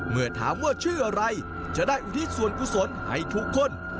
เมื่อถามว่าชื่ออะไรจะได้อุทิศส่วนกุศลให้ทุกคน